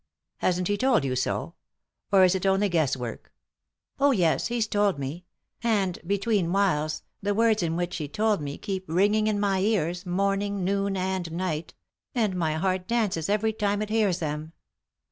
" Hasn't he told you so ?— or is it only guess* work?" " Oh, yes, heYtold me ; and, between whiles, the words in which he told me keep ringing in my ears, morning, noon, and night ; and my heart dances every time it hears them."